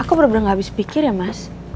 aku bener bener gak habis pikir ya mas